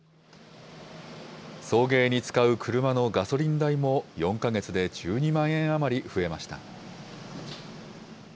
送迎に使う車のガソリン代も、４か月で１２万円余り増えました。